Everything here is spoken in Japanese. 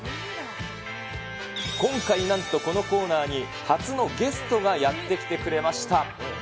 今回、なんとこのコーナーに初のゲストがやって来てくれました。